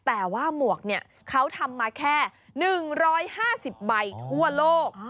แต่ว่าหมวกเขาทำมาแค่๑๕๐ใบทั่วโลก